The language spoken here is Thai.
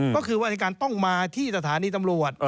ก็คือว่าอายการต้องมาที่สถานีตำรวจ